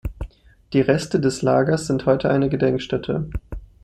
Die Reste des Lagers sind heute eine Gedenkstätte.